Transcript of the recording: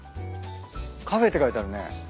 カフェって書いてあるね。